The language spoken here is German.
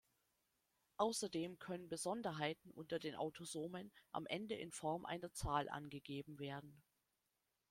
Außerdem können Besonderheiten unter den Autosomen am Ende in Form einer Zahl angegeben werden.